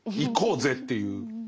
いこうぜっていう。